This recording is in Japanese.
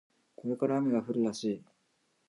これから雨が降るらしい